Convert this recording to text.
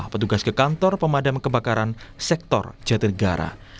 petugas ke kantor pemadam kebakaran sektor jatinegara